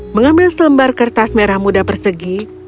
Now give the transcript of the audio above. mengambil selembar kertas merah muda persegi